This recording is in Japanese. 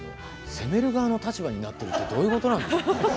攻める側の立場になってるってどういうことなんですか？